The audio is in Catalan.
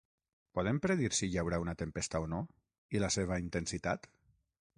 Podem predir si hi haurà una tempesta o no, i la seva intensitat?